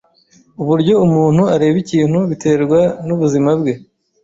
Uburyo umuntu areba ikintu biterwa nubuzima bwe.